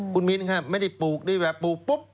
คุณมินครับไม่ได้ปลูกด้วยแบบปลูกปุ๊บ